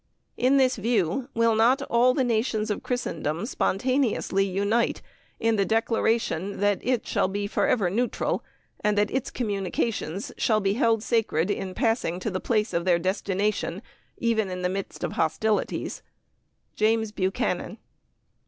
In this view will not all the nations of Christendom spontaneously unite in the declaration that it shall be forever neutral and that its communications shall be held sacred in passing to the place of their destination, even in the midst of hostilities? JAMES BUCHANAN.